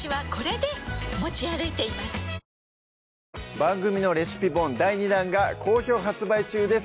番組のレシピ本第２弾が好評発売中です